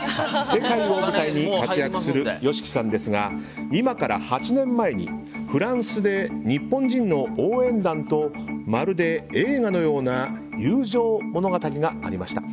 世界を舞台に活躍するＹＯＳＨＩＫＩさんですが今から８年前にフランスで日本人の応援団とまるで映画のような友情物語がありました。